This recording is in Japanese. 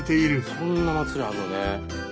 そんな祭りあるのね。